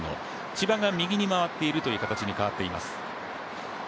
千葉が右に回っているという形に変わっています。